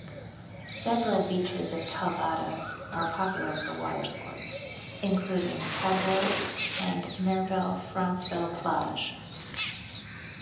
Several beaches of Calvados are popular for water sports, including Cabourg and Merville-Franceville-Plage.